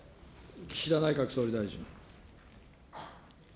岸田内閣総理大臣。